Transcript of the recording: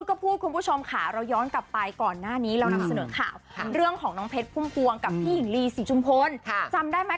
ก็พูดชมคะเราย้อนกลับไปก่อนหน้านี้เรานำเสนอข่าวเรื่องของน้องเพชรคุ้มฟวงกับพี่หยินลี